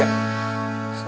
aduh gimana ya